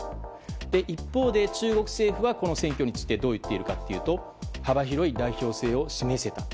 一方で中国政府はこの選挙についてどういっているかというと幅広い代表性を示せたと。